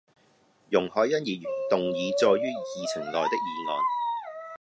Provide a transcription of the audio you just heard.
容海恩議員動議載於議程內的議案